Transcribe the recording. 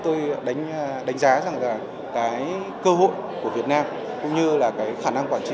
tôi đánh giá rằng là cơ hội của việt nam cũng như khả năng quản trị